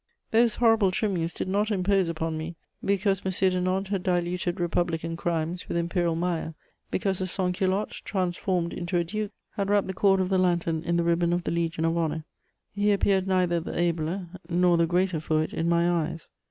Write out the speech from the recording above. Those horrible trimmings did not impose upon me: because M. "de Nantes" had diluted republican crimes with imperial mire; because the sans culotte, transformed into a duke, had wrapped the cord of the lantern in the ribbon of the Legion of Honour, he appeared neither the abler nor the greater for it in my eyes.